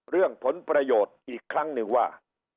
เรื่องผลประโยชน์อีกครั้งหนึ่งว่า